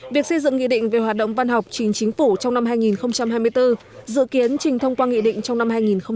việc xây dựng nghị định về hoạt động văn học chính chính phủ trong năm hai nghìn hai mươi bốn dự kiến trình thông qua nghị định trong năm hai nghìn hai mươi